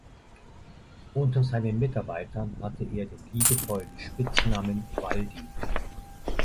Unter seinen Mitarbeitern hatte er den liebevollen Spitznamen „Waldi“.